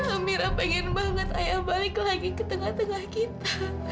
amira pengen banget ayo balik lagi ke tengah tengah kita